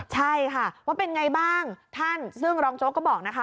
ใช่ค่ะว่าเป็นไงบ้างท่านซึ่งรองโจ๊กก็บอกนะคะ